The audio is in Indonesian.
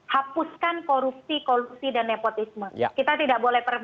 hapuskan korupsi korupsi dan nepotisme kita tidak boleh perbuatan